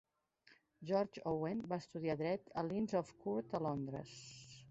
George Owen va estudiar dret a l'Inns of Court a Londres.